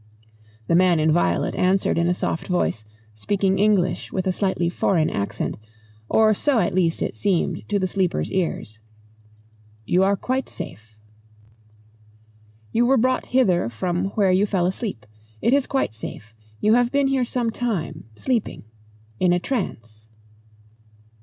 The man in violet answered in a soft voice, speaking English with a slightly foreign accent, or so at least it seemed to the Sleeper's ears. "You are quite safe. You were brought hither from where you fell asleep. It is quite safe. You have been here some time sleeping. In a trance."